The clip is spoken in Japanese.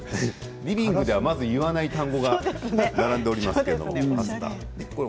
リビングではまず言わない単語が並んでいます。